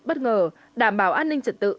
bất ngờ đảm bảo an ninh trật tự